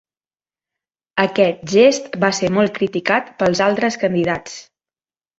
Aquest gest va ser molt criticat pels altres candidats.